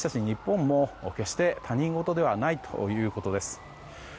日本も決して他人事ではないということです。